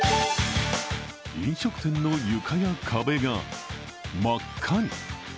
飲食店の床や壁が真っ赤に。